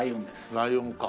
ライオンか。